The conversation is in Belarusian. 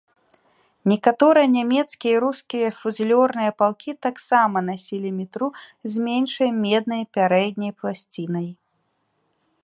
Некаторыя нямецкія і рускія фузілёрные палкі таксама насілі мітру з меншай меднай пярэдняй пласцінай.